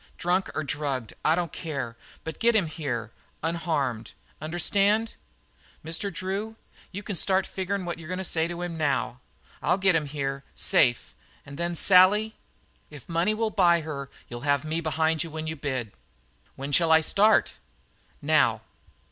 Drunk or drugged, I don't care how, but get him here unharmed. Understand?" "Mr. Drew, you can start figurin' what you want to say to him now. I'll get him here safe! And then Sally " "If money will buy her you'll have me behind you when you bid." "When shall I start?" "Now."